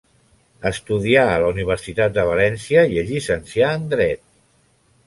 Estudià a la Universitat de València i es llicencià en dret.